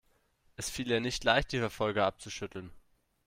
Es fiel ihr nicht leicht, die Verfolger abzuschütteln.